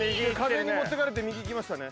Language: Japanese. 風に持ってかれて右いきましたね。